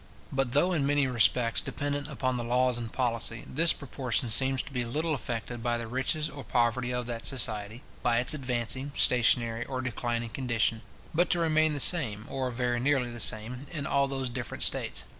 But though in many respects dependent upon the laws and policy, this proportion seems to be little affected by the riches or poverty of that society, by its advancing, stationary, or declining condition, but to remain the same, or very nearly the same, in all those different states.